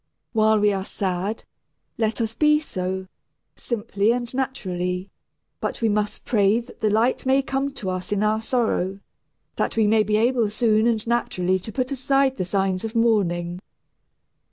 While we are sad, let us be so, simply and naturally; but we must pray that the light may come to us in our sorrow, that we may be able soon and naturally to put aside the signs of mourning.